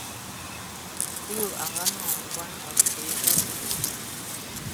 Kulu a ngaanɔŋ bɔn, a fudigi a nkwe.